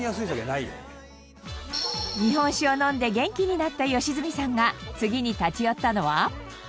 日本酒を飲んで元気になった良純さんが次に立ち寄ったのは。